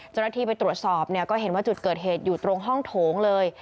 เจ้าหน้าที่ไปตรวจสอบเนี่ยก็เห็นว่าจุดเกิดเหตุอยู่ตรงห้องโถงเลย